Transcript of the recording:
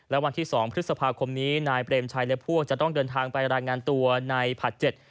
และวันที่สองพฤษภาคมนี้นายเปรมชัยและพวกจะต้องเดินทางไปรายงานตัวในผัดเจ็ด